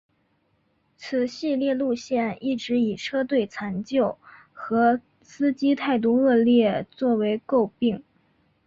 此系列路线一直以车队残旧和司机态度恶劣作为垢病。